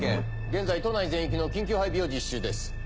現在都内全域の緊急配備を実施中です。